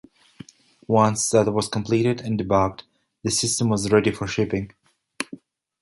Once that was completed and debugged, the system was ready for shipping.